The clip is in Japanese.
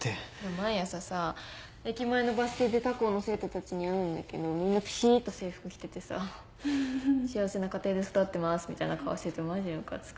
毎朝さ駅前のバス停で他校の生徒たちに会うんだけどみんなピシっと制服着ててさ幸せな家庭で育ってますみたいな顔しててマジムカつく。